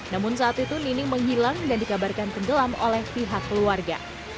namun saat itu nining menghilang dan dikabarkan tenggelam oleh pihak keluarga